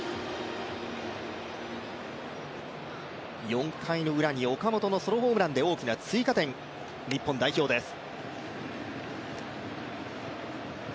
４回のウラに岡本のソロホームランで大きな追加点、日本代表です。